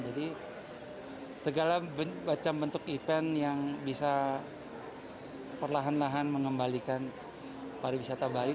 jadi segala macam bentuk event yang bisa perlahan lahan mengembalikan para wisata bali